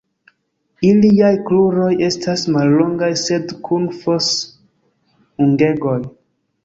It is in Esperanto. Iliaj kruroj estas mallongaj, sed kun fos-ungegoj.